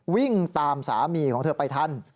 วิ่งตามสามีของเธอไปทัน